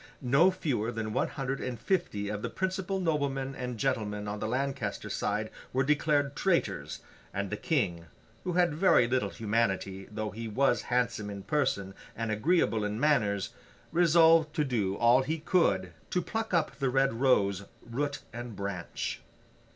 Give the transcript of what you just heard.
No fewer than one hundred and fifty of the principal noblemen and gentlemen on the Lancaster side were declared traitors, and the King—who had very little humanity, though he was handsome in person and agreeable in manners—resolved to do all he could, to pluck up the Red Rose root and branch.